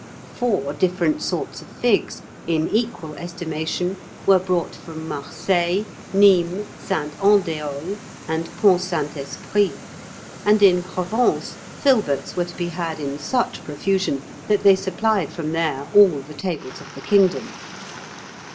Four different sorts of figs, in equal estimation, were brought from Marseilles, Nismes, Saint Andéol, and Pont Saint Esprit; and in Provence, filberts were to be had in such profusion that they supplied from there all the tables of the kingdom.